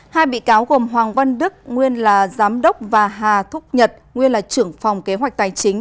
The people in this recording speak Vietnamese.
hai bị cáo gồm hoàng văn đức nguyên là giám đốc và hà thúc nhật nguyên là trưởng phòng kế hoạch tài chính